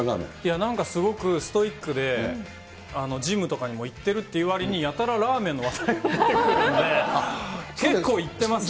なんかすごくストイックで、ジムとかにも行ってるっていうわりに、やたらラーメンの話題振ってくるんで、結構、行ってますね。